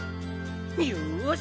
よし！